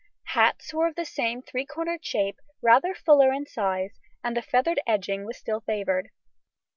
Hats were of the same three cornered shape, rather fuller in size, and the feathered edging was still favoured.